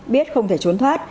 biết không thể trốn thoát